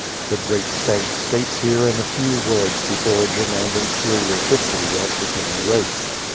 The great saint states here in few words the origin and interior history of the human race.